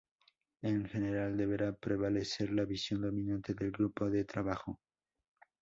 En general, deberá prevalecer la visión dominante del grupo de trabajo.